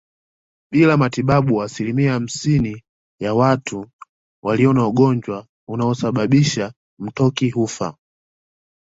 Bila matibabu asilimia hamsini ya watu walio na ugonjwa unaosababisha mtoki hufa